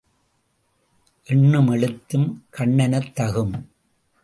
எண்ணும் எழுத்தும் கண்ணெனத் தகும்.